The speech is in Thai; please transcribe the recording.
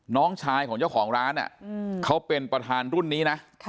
น้องชายของเจ้าของร้านเขาเป็นประธานรุ่นนี้นะ